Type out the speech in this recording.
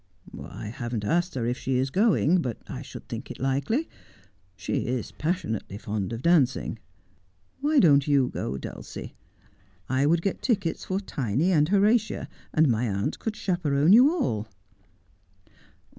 ' I haven't asked her if she is going, but I should think it likely. She is passionately fond of dancing. "Why don't you go, Dulcie ? I would get tickets for Tiny and Horatia, and my aunt could chaperon you all.'